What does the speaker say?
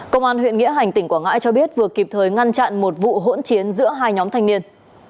công an huyện nghĩa hành tỉnh quảng ngãi cho biết vừa kịp thời ngăn chặn một vụ hỗn chiến giữa hai nhóm thanh niên